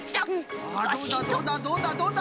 さあどうだどうだ？